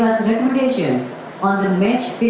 oleh federasi tanpa intervensi